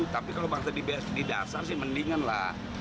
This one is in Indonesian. tapi kalau bangsa di dasar sih mendingan lah